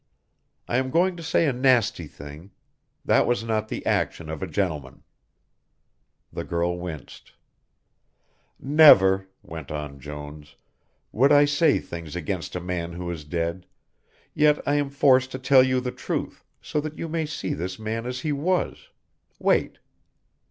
I am going to say a nasty thing; that was not the action of a gentleman." The girl winced. "Never," went on Jones, "would I say things against a man who is dead, yet I am forced to tell you the truth, so that you may see this man as he was wait."